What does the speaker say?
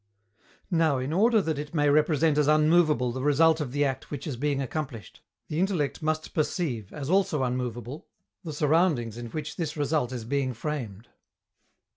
Now, in order that it may represent as unmovable the result of the act which is being accomplished, the intellect must perceive, as also unmovable, the surroundings in which this result is being framed.